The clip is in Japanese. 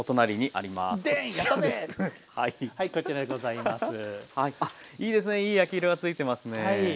あいいですねいい焼き色がついてますね。